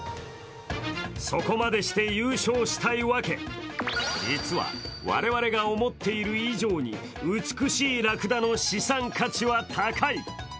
そこまでして優勝したいわけ、実は我々が思っている以上に美しいラクダの資産価値は高い。